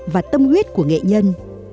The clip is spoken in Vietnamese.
và tâm huyết của nghệ nhân